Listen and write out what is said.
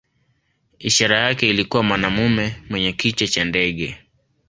Ishara yake ilikuwa mwanamume mwenye kichwa cha ndege.